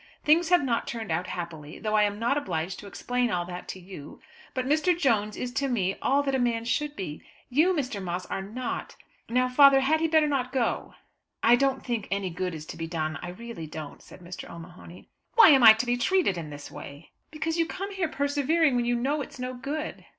Things have not turned out happily, though I am not obliged to explain all that to you. But Mr. Jones is to me all that a man should be; you, Mr. Moss, are not. Now, father, had he not better go?" "I don't think any good is to be done, I really don't," said Mr. O'Mahony. "Why am I to be treated in this way?" "Because you come here persevering when you know it's no good."